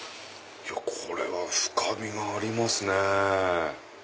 これは深みがありますね。